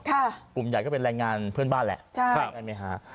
โอ้โหอุ่มใหญ่ก็เป็นแรงงานเพื่อนบ้านแหละใช่